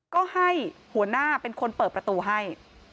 ก็ให้หัวหน้าเป็นคนเปิดประตูให้